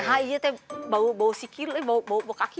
nah ini tuh bau bau sikil bau bau kaki